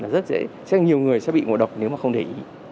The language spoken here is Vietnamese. rất dễ chắc nhiều người sẽ bị ngộ độc nếu mà không để ý